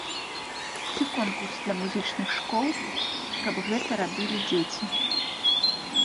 Ці конкурс для музычных школ, каб гэта рабілі дзеці.